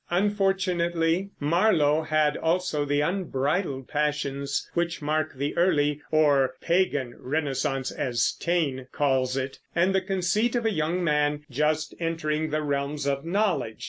Unfortunately, Marlowe had also the unbridled passions which mark the early, or Pagan Renaissance, as Taine calls it, and the conceit of a young man just entering the realms of knowledge.